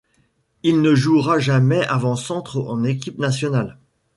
Il ne jouera jamais avant-centre en équipe nationale.